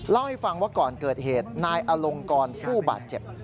เล่าให้ฟังว่าก่อนเกิดเหตุนายอลงกรผู้บาดเจ็บ